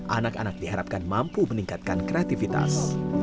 anak anak diharapkan mampu meningkatkan kreativitas